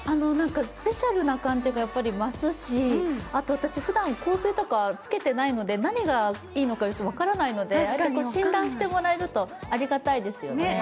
スペシャルな感じが増すし、ふだん香水とかつけていないので、何がいいのか分からないのでああやって診断してもらえるとありがたいですよね。